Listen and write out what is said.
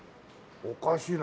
おかしいな。